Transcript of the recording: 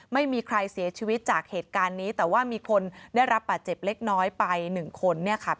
ไม่มีใครเสียชีวิตจากเหตุการณ์นี้แต่ว่ามีคนได้รับบาดเจ็บเล็กน้อยไปหนึ่งคนเนี่ยค่ะ